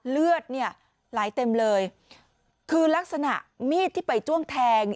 เลือดเนี่ยไหลเต็มเลยคือลักษณะมีดที่ไปจ้วงแทง